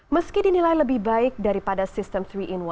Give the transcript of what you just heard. meski dinilai lebih baik daripada sistem tiga in satu